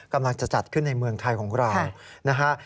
กำลังจะจัดขึ้นในเมืองไทยของเรา